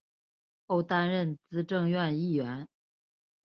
后担任资政院议员。